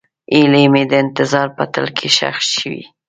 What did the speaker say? هیلې مې د انتظار په تل کې ښخې شوې.